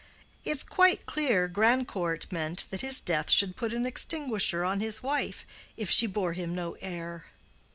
It's quite clear Grandcourt meant that his death should put an extinguisher on his wife, if she bore him no heir."